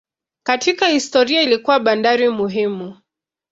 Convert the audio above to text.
Katika historia ilikuwa bandari muhimu.